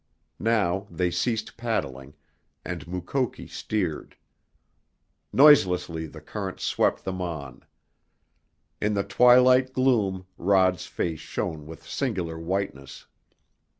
Now they ceased paddling, and Mukoki steered. Noiselessly the current swept them on. In the twilight gloom Rod's face shone with singular whiteness.